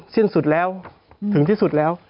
สิ้นสุดแล้วถึงที่สุดแล้ว